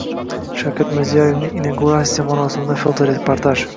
Shavkat Mirziyoyevning inauguratsiya marosimidan fotoreportaj